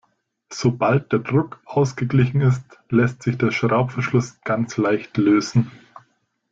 Sobald der Druck ausgeglichen ist, lässt sich der Schraubverschluss ganz leicht lösen.